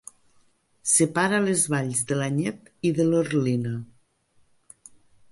Separa les valls de l'Anyet i de l'Orlina.